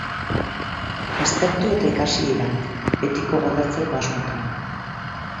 Aztertu eta ikasi dira, betiko gordetzeko asmotan.